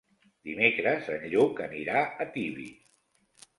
Dimecres en Lluc anirà a Tibi.